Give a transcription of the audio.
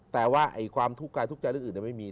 แต่ว่าความทุกข์กายทุกข์ใจเรื่องอื่นไม่มี